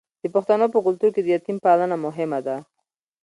د پښتنو په کلتور کې د یتیم پالنه مهمه ده.